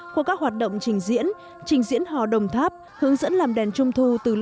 có các hoạt động trình diễn trình diễn hòa đồng tháp hướng dẫn làm đèn trung thu